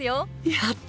やった！